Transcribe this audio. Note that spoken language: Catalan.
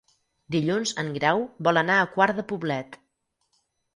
Dilluns en Grau vol anar a Quart de Poblet.